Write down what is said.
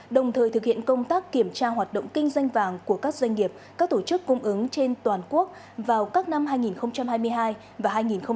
đồng thời thực hiện công tác kiểm tra hoạt động kinh doanh vàng của các doanh nghiệp các tổ chức cung ứng trên toàn quốc vào các năm hai nghìn hai mươi hai và hai nghìn hai mươi ba